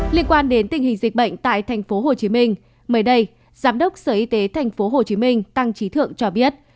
liên quan đến tình hình dịch bệnh tại tp hcm mới đây giám đốc sở y tế tp hcm tăng trí thượng cho biết